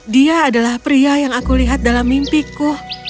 dia adalah pria yang aku lihat dalam mimpiku